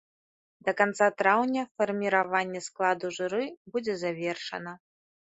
Да канца траўня фарміраванне складу журы будзе завершана.